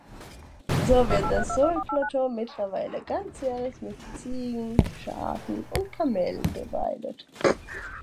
So wird das Sool-Plateau mittlerweile ganzjährig mit Ziegen, Schafen und Kamelen beweidet.